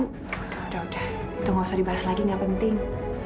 udah udah itu nggak usah dibahas lagi gak penting